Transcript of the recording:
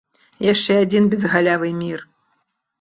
Яшчэ адзін безгалявы мір.